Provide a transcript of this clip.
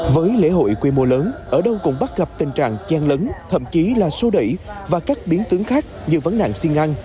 với lễ hội quy mô lớn ở đâu cũng bắt gặp tình trạng chen lấn thậm chí là sô đẩy và các biến tướng khác như vấn nạn xin ngăn